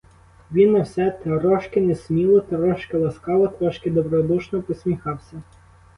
Він на все трошки несміло, трошки ласкаво, трошки добродушно посміхався.